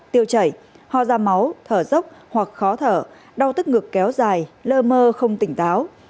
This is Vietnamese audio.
tiêu chảy ho ra máu thở dốc hoặc khó thở đau tức ngực kéo dài lơ mơ không tỉnh táo